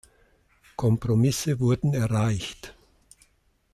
Kompromisse wurden erreicht.